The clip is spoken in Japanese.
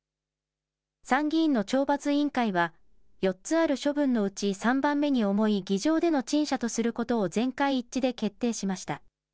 参議院の懲罰委員会は４つある処分のうち３番目に重い議場での陳謝とすることを全会一致で決定しました。